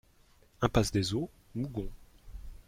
Impasse des Eaux, Mougon